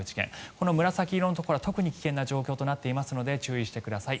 この紫色のところは特に危険な状況となっていますので注意してください。